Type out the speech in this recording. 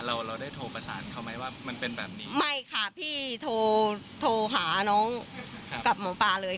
เราเราได้โทรประสานเขาไหมว่ามันเป็นแบบนี้ไม่ค่ะพี่โทรโทรหาน้องกับหมอปลาเลย